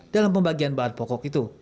dalam pembagian bahan pokok